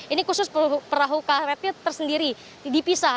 ini khusus perahu karetnya tersendiri dipisah